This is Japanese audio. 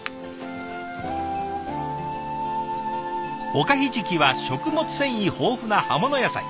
おかひじきは食物繊維豊富な葉物野菜。